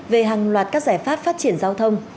về hàng loạt các giải pháp phát triển giao thông